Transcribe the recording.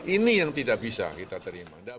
ini yang tidak bisa kita terima